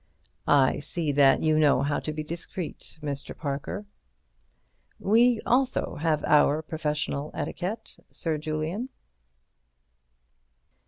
"I see that you know how to be discreet, Mr. Parker." "We also have our professional etiquette, Sir Julian."